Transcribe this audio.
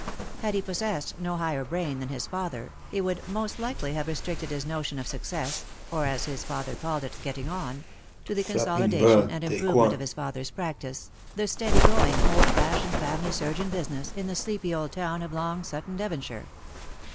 Had he possessed no higher brain than his father, he would most likely have restricted his notion of success — or, as his father called it, " getting on "— to the con solidation and improvement of his father's practice, the steady going old fashioned family surgeon business, in the sleepy old town of Long Sutton, Devonshire.